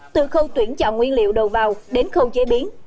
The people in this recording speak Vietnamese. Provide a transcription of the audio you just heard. từ khâu tuyển chọn nguyên liệu đầu vào đến khâu chế biến